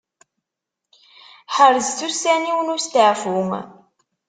Ḥerzet ussan-iw n usteɛfu.